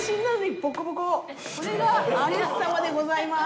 これがアレス様でございます。